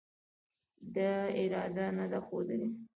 دا اراده نه ده ښودلې